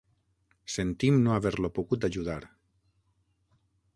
Sentim no haver-lo pogut ajudar.